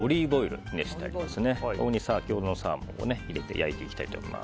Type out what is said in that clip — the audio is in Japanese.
そこに先ほどのサーモンを焼いていきたいと思います。